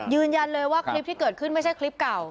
ยืนยันเลยว่าคลิปที่เกิดขึ้นไม่ใช่คลิปเก่า